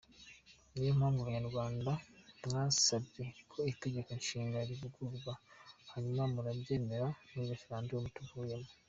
Niyo mpamvu, Abanyarwanda mwasabye ko Itegeko Nshinga rivugururwa, hanyuma muraryemeza muri referendumu tuvuyemo.